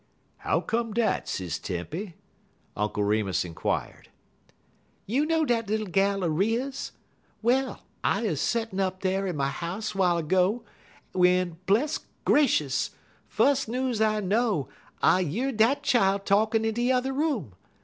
"How come dat, Sis Tempy?" Uncle Remus inquired. "You know dat little gal er Riah's? Well, I 'uz settin' up dar in my house 'w'ile ergo, w'en, bless gracious! fus' news I know, I year dat chile talkin' in the yuther room.